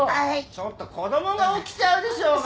ちょっと子供が起きちゃうでしょうが！